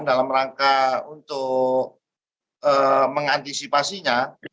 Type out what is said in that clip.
dalam rangka untuk mengantisipasinya